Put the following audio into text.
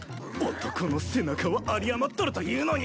男の背中は有り余っとるというのに！